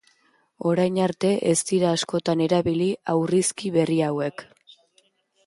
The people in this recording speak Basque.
Orain arte, ez dira askotan erabili aurrizki berri hauek.